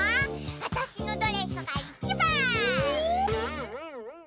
わたしのドレスがいちばん！